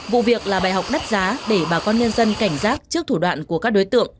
vụ việc là bài học đắt giá để bà con nhân dân cảnh giác trước thủ đoạn của các đối tượng